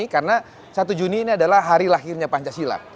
karena satu juni ini adalah hari lahirnya pancasila